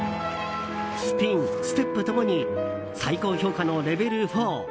スピン、ステップ共に最高評価のレベル４。